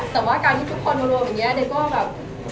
แต่ว่าการที่ทุกคนรวมอย่างนี้เด็กก็แบบ